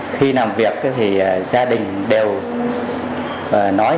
khi làm việc thì gia đình đều nói là con em rất là ngoan hiền